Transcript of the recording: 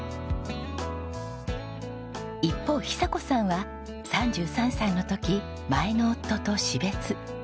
一方久子さんは３３歳の時前の夫と死別。